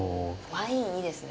ワインいいですね。